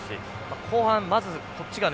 後半まずこっちがね